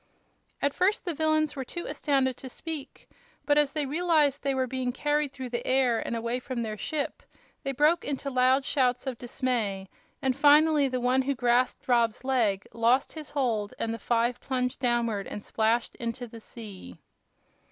At first the villains were too astounded to speak, but as they realized that they were being carried through the air and away from their ship they broke into loud shouts of dismay, and finally the one who grasped Rob's leg lost his hold and the five plunged downward and splashed into the sea.